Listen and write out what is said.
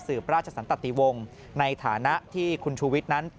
พระราชสันตติวงศ์ในฐานะที่คุณชูวิทย์นั้น